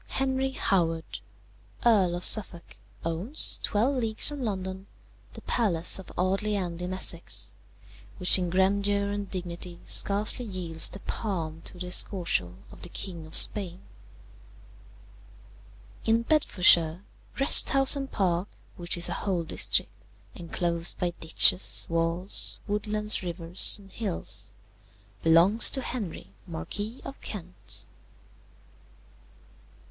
"Henry Howard, Earl of Suffolk, owns, twelve leagues from London, the palace of Audley End in Essex, which in grandeur and dignity scarcely yields the palm to the Escorial of the King of Spain. "In Bedfordshire, Wrest House and Park, which is a whole district, enclosed by ditches, walls, woodlands, rivers, and hills, belongs to Henry, Marquis of Kent.